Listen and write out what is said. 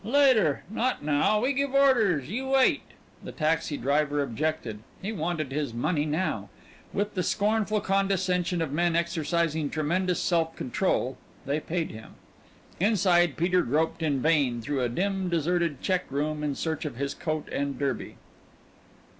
"Later, not now we give orders, you wait." The taxi driver objected; he wanted his money now. With the scornful condescension of men exercising tremendous self control they paid him. Inside Peter groped in vain through a dim, deserted check room in search of his coat and derby.